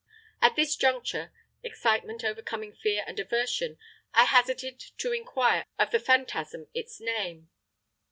"At this juncture, excitement overcoming fear and aversion, I hazarded to inquire of the phantasm its name.